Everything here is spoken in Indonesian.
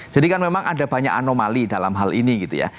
jadi kan memang ada banyak anomali dalam hal ini